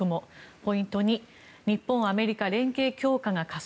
ポイント２日本、アメリカ連携強化が加速。